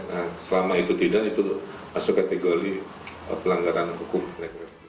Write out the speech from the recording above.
nah selama itu tidak itu masuk kategori pelanggaran hukum